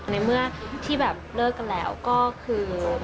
ในเมื่อที่แบบเลิกกันแล้วก็คือ